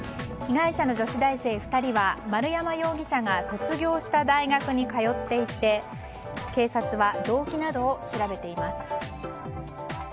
被害者の女子大生２人は丸山容疑者が卒業した大学に通っていて警察は動機などを調べています。